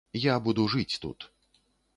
Я буду жыць тут.